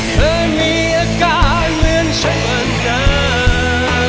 เคยมีอาการเหมือนช่วงนั้น